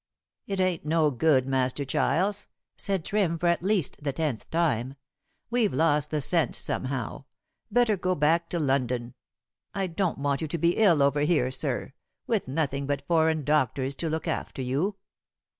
"It ain't no good, Master Giles," said Trim for at least the tenth time; "we've lost the scent somehow. Better go back to London. I don't want you to be ill over here, sir, with nothing but foreign doctors to look after you."